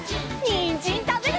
にんじんたべるよ！